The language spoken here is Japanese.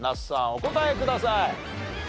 お答えください。